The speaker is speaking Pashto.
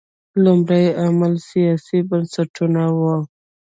لومړی عامل سیاسي بنسټونه وو.